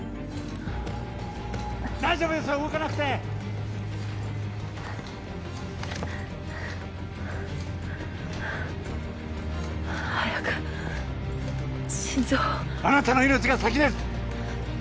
大丈夫ですよ動かなくて早く心臓をあなたの命が先です